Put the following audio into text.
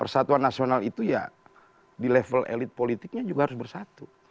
persatuan nasional itu ya di level elit politiknya juga harus bersatu